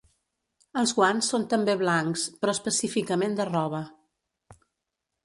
Els guants són també blancs però específicament de roba.